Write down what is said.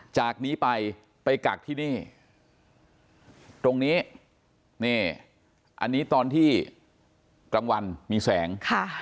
จากนี้ไปไปกักที่นี่ตรงนี้นี่อันนี้ตอนที่กลางวันมีแสง